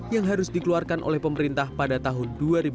yang harus dikeluarkan oleh pemerintah pada tahun dua ribu dua puluh